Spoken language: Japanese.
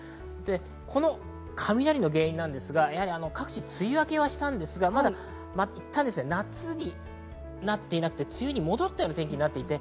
この雷の原因ですが、各地梅雨明けはしたんですが、まだ夏になっていなくて、梅雨に戻ったような天気になっています。